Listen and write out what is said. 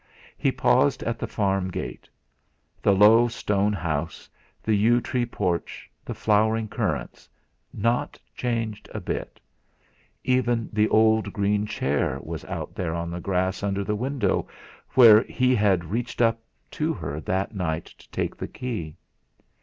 He paused at the farm gate. The low stone house, the yew tree porch, the flowering currants not changed a bit; even the old green chair was out there on the grass under the window, where he had reached up to her that night to take the key.